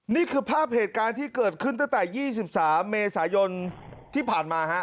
นี่คือภาพเหตุการณ์ที่เกิดขึ้นตั้งแต่๒๓เมษายนที่ผ่านมาฮะ